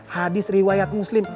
hadis riwayat muslim